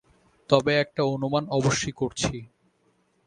তবে একটা অনুমান অবশ্যি করছি।